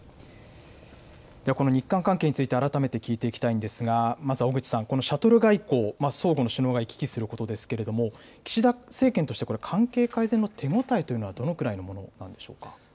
では、この日韓関係について改めて聞いていきたいんですが、まずは小口さん、このシャトル外交、相互に首脳が行き来することですけれども、岸田政権としてはこれ、関係改善の手応えというのはどのくらいのものなんでしょうか。